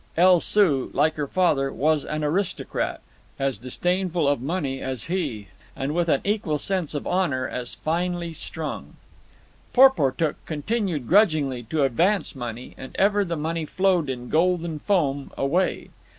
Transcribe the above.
El Soo, like her father, was an aristocrat, as disdainful of money as he, and with an equal sense of honour as finely strung. Porportuk continued grudgingly to advance money, and ever the money flowed in golden foam away.